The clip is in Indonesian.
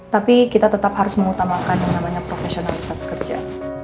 tapi kita tetap harus mengutamakan yang namanya profesionalitas kerja